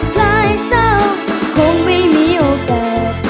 ลายเศร้าคงไม่มีโอกาส